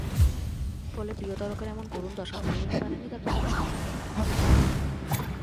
ফলে প্রিয় তারকার এমন করুণ দশা মেনে নিতে পারেননি তাঁর ভক্ত-সমর্থকেরা।